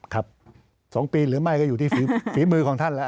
ครับ๒ปีหรือไม่ก็อยู่ที่ฝีมือของท่านแล้ว